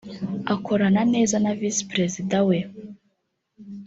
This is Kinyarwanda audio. akorana neza na Visi Perezida we